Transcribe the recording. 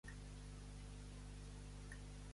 Per quina disciplina la canvia?